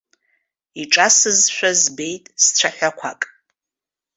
Иҿасызшәа збеит сцәаҳәақәак.